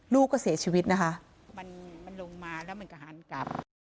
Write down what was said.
ลูกก็เสียชีวิตนะคะ